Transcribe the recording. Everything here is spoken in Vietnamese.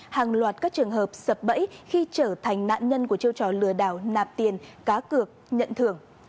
hàng loạt các trường hợp sập bẫy khi trở thành nạn nhân của chiêu trò lừa đảo nạp tiền cá cược nhận thưởng